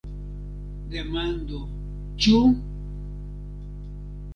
Demando: Ĉu?